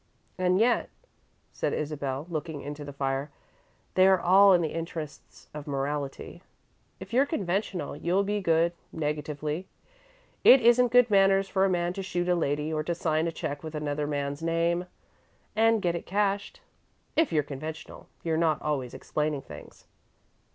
"And yet," said Isabel, looking into the fire, "they are all in the interests of morality. If you're conventional, you'll be good, negatively. It isn't good manners for a man to shoot a lady or to sign a check with another man's name and get it cashed. If you're conventional, you're not always explaining things."